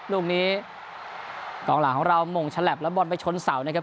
ลูกนี้กองหลังของเรามงฉลับแล้วบอลไปชนเสานะครับ